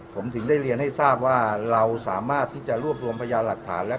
อ๋อขออนุญาตเป็นในเรื่องของการสอบสวนปากคำแพทย์ผู้ที่เกี่ยวข้องให้ชัดแจ้งอีกครั้งหนึ่งนะครับ